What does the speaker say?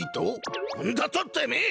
なんだとてめえ！